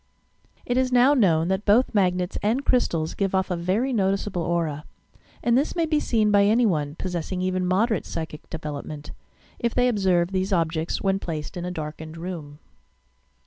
It is now known that both magnets and crystals give off a, very noticeable aura, and this may be seen by any one, possessing even moderate psychic development, if they observe these objects when placed in a darkened room.